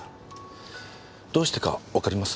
どうしてかわかります？